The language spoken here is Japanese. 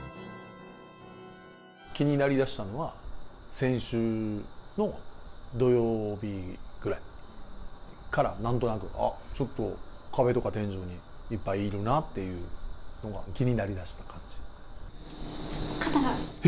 気になりだしたのは先週の土曜日ぐらいからなんとなく、ちょっと壁とか天井にいっぱいいるなっていうのが気になりだした肩が。